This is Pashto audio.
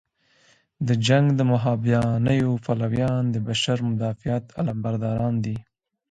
د جنګ د مهابیانیو پلویان د بشر مدافعت علمبرداران دي.